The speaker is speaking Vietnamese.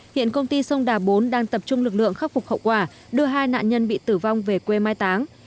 hiện công ty sông đà bốn đang tập trung lực lượng khắc phục hậu quả đưa hai nạn nhân bị tử vong về quê mai táng